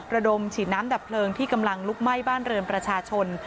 ระดมฉีดน้ำดับเพลิงที่กำลังลุกไหม้บ้านเรือนประชาชน